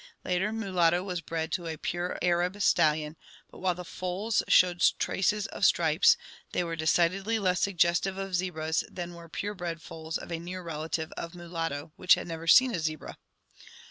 Later " Mulatto " was bred to a pure Arab stallion, but while the foals showed traces of stripes, they were decidedly less suggestive of zebras than were pure bred foals of a near relative of " Mulatto " which had never seen a zebra.